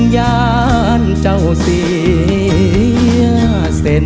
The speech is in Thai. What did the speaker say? ย้านเจ้าเสียเส้น